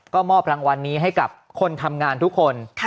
ก็มอบรางวัลนี้ให้กับคนทำงานทุกคน